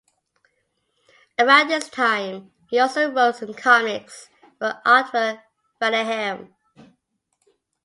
Around this time, he also wrote some comics for Aardvark-Vanaheim.